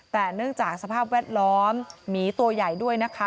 แต่เนื่องจากสภาพแวดล้อมหมีตัวใหญ่ด้วยนะคะ